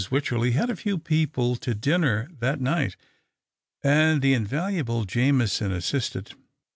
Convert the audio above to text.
Wycherley had a few people to dinner that night, and the invaluable Jameson assisted.